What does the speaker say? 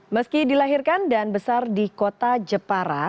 meski dilahirkan dan besar di kota jepara